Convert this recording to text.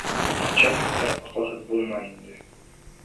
Начальниктар аҡылһыҙ булмай инде.